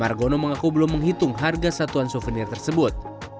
margono mengaku belum menghitung harga satuan souvenir tersebut